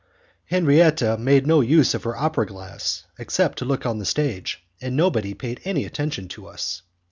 Henriette made no use of her opera glass except to look on the stage, and nobody paid any attention to us.